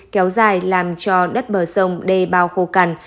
kéo dài làm cho đất bờ sông đê bao khô cằn